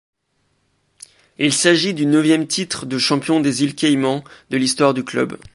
Il s’agit du neuvième titre de champion des îles Caïmans de l'histoire du club.